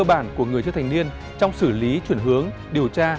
cơ bản của người chưa thành niên trong xử lý chuyển hướng điều tra